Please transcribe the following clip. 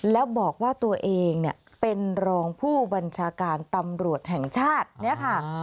แล้วบอกว่าตัวเองเนี่ยเป็นรองผู้บัญชาการตำรวจแห่งชาติเนี่ยค่ะ